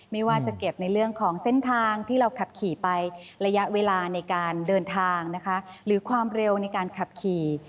ไม่ว่าจะเก็บในเรื่องของเส้นทางที่เราขับขี่ไประยะเวลาในการเดินทางนะคะหรือความเร็วในการขับขี่